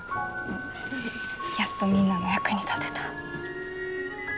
やっとみんなの役に立てた。